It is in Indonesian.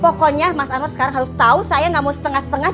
pokoknya mas anwar sekarang harus tau saya gak mau setengah setengah ini